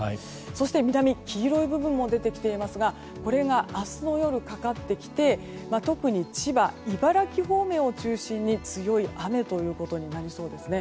そして南、黄色い部分も出てきていますがこれが明日の夜かかってきて特に千葉、茨城方面を中心に強い雨ということになりそうですね。